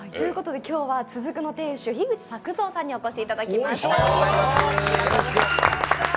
今日は、つず久の店主樋口作三さんにお越しいただきました。